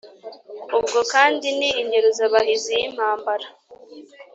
ubwo kandi ni ingeruzabahizi y' impambara